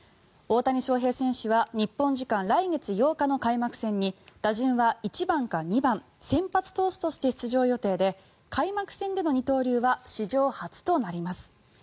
大谷翔平選手は日本時間来月８日の開幕戦に打順は１番か２番先発投手として出場予定で、開幕戦での二刀流は史上初となります。